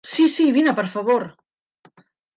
Sí, sí, vine per favor.